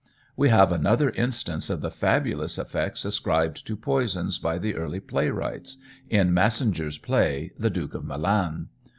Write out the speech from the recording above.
We have another instance of the fabulous effects ascribed to poisons by the early playwrights, in Massinger's play, "The Duke of Milan."